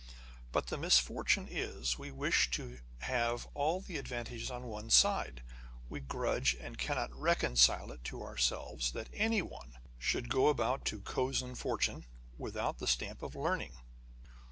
But the misfortune is, we wish to have all the advantages on one side. We grudge, and cannot reconcile it to ourselves, that anyone " should go about to cozen fortune, without the stamp of learning